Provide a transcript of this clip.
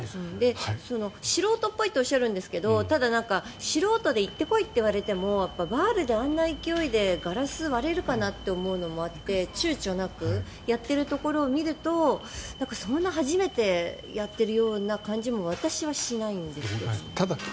素人っぽいとおっしゃるんですが素人で行って来いと言われてバールであんな勢いでガラス割れるのかなと思って躊躇なくやっているところを見るとそんな初めてやってるような感じも私はしないんですよね。